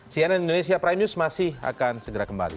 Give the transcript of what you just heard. cnn indonesia prime news masih akan segera kembali